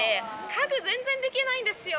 家具全然できないんですよ。